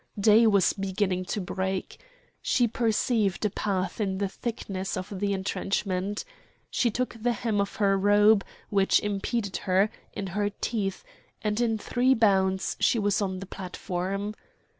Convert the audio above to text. Day was beginning to break. She perceived a path in the thickness of the entrenchment. She took the hem of her robe, which impeded her, in her teeth, and in three bounds she was on the platform.